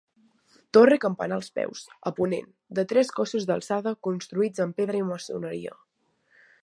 Torre campanar als peus, a ponent, de tres cossos d'alçada construïts amb pedra i maçoneria.